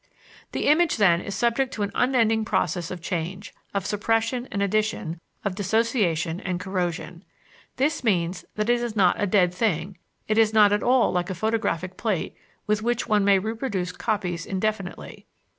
The image, then, is subject to an unending process of change, of suppression and addition, of dissociation and corrosion. This means that it is not a dead thing; it is not at all like a photographic plate with which one may reproduce copies indefinitely.